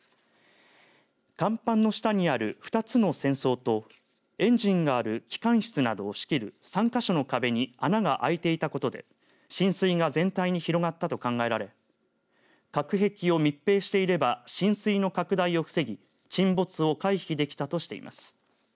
甲板の下にある２つの船倉とエンジンがある機関室などを仕切る３か所の壁に穴が開いていたことで浸水が全体に広がったと考えられ隔壁を密閉していれば浸水の拡大を防ぎ沈没を回避できたとしています。